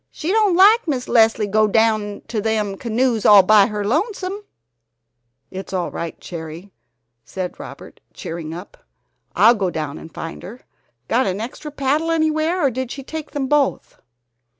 She don't like Miss Leslie go down to them canoes all by her lonesome." "That's all right, Cherry," said Howard, cheering up; "I'll go down and find her. Got an extra paddle anywhere, or did she take them both?"